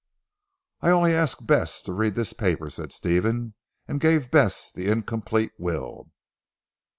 "I only ask Bess to read this paper," said Stephen and gave Bess the incomplete will.